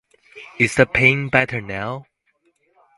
Is the pain better now?